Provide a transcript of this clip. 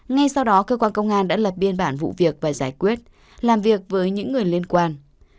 ngay sau đó cơ quan công an đã lập biên bản vụ việc và giải quyết làm việc với những người liên quan